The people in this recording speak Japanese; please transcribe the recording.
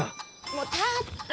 もう立って！